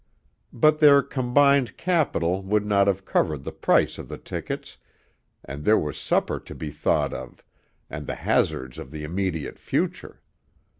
But their combined capital would not have covered the price of the tickets, and there was supper to be thought of, and the hazards of the immediate future.